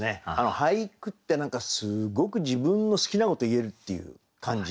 俳句って何かすごく自分の好きなこと言えるっていう感じで。